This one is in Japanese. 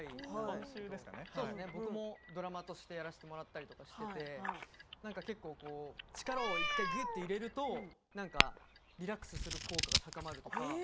僕もドラマとしてやらせてもらったりして力を１回くっと入れるとリラックスする効果が高まるとか。